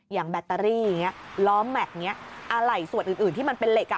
อย่างแบตเตอรี่ล้อมแม็กซ์อะไรส่วนอื่นที่มันเป็นเหล็ก